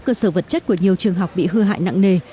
cơ sở vật chất của nhiều trường học bị hư hại nặng nề